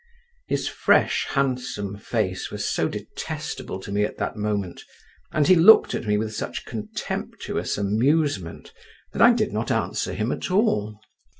His fresh handsome face was so detestable to me at that moment, and he looked at me with such contemptuous amusement that I did not answer him at all.